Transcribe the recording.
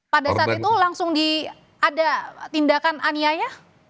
pada saat itu langsung ada tindakan aniaya